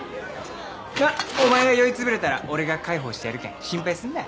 まあお前が酔い潰れたら俺が介抱してやるけん心配すんな。